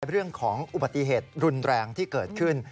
เรื่องของอุบัติเหตุรุนแรงที่เกิดขึ้น